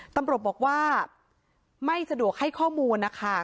ตำรวจบอกว่าไม่สะดวกให้ข้อมูลนะคะ